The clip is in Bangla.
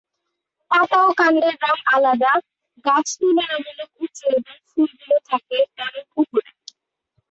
পাতা ও কান্ডের রং আলাদা, গাছ তুলনামূলক উঁচু এবং ফুলগুলো থাকে অনেক উপরে।